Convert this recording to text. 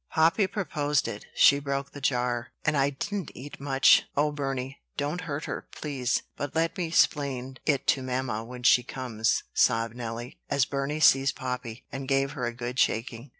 "Poppy proposed it, she broke the jar, and I didn't eat much. O Burney! don't hurt her, please, but let me 'splain it to mamma when she comes," sobbed Nelly, as Burney seized Poppy, and gave her a good shaking.